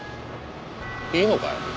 いいのかい？